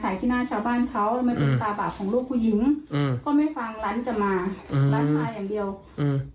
ขายขี้หน้าชาวบ้านเขาทำไมเป็นตาบาปของลูกคุยิงก็ไม่ฟังล้านจะมาล้านมาอย่างเดียว